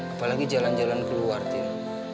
apalagi jalan jalan keluar tuh